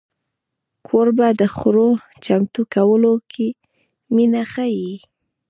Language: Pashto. کوربه د خوړو چمتو کولو کې مینه ښيي.